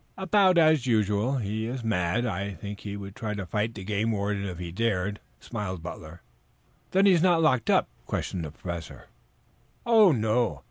"About as usual. He is mad. I think he would try to fight the game warden if he dared," smiled Butler. "Then he is not locked up?" questioned the Professor. "Oh, no.